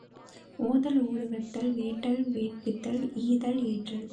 ஓதல், ஓதுவித்தல், வேட்டல், வேட்பித்தல், ஈதல், ஏற்றல்